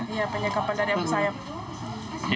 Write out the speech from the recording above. iya penyekapan dari abu sayyaf